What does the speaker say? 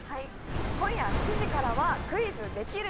今夜７時からは『クイズ！できる？